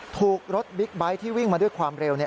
ถูกรถบิ๊กไบท์ที่วิ่งมาด้วยความเร็ว